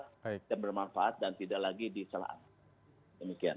dan bermanfaat dan tidak lagi disalahkan